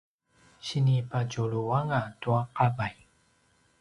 sinipadjuluanga tua qavay